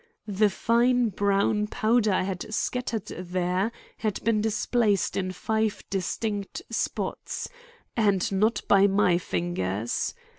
The fine brown powder I had scattered there had been displaced in five distinct spots, and not by my fingers.